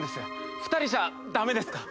２人じゃ駄目ですか？